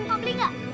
mau beli gak